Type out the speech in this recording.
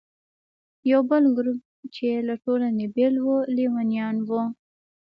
یو بل ګروپ چې له ټولنې بېل و، لیونیان وو.